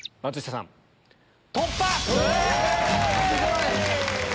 すごい！